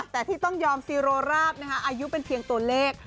แต่ที่ต้องยอมซีโรราบนะคะอายุเป็นเพียงตัวเลข